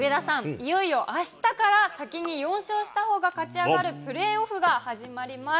いよいよあしたから先に４勝したほうが勝ち上がるプレーオフが始まります。